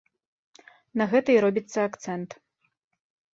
На гэта і робіцца акцэнт.